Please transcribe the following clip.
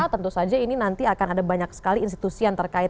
tentu saja ini nanti akan ada banyak sekali institusi yang terkait